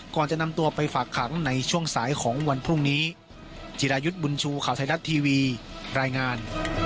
ก่อนจะนำตัวไปฝากขังในช่วงสายของวันพรุ่งนี้จิรายุทธ์บุญชูข่าวไทยรัฐทีวีรายงาน